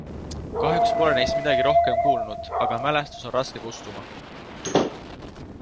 Kahjuks pole neist midagi rohkem kuulnud, aga mälestus on raske kustuma.